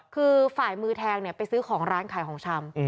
คือฝ่ายมือแทงไปซื้อของร้านขายของชำ